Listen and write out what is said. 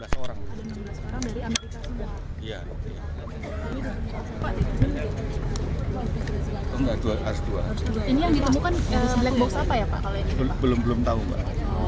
dia hanya mengasist knkt